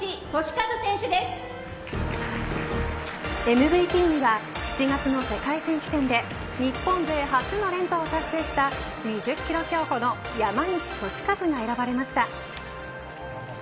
ＭＶＰには７月の世界選手権で日本勢初の連覇を達成した２０キロ競歩の山西利和が選ばれました。